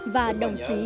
và đồng chí